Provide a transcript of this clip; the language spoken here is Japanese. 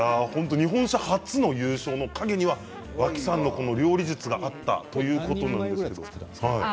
日本車初の優勝の陰には脇さんの料理術があったということです。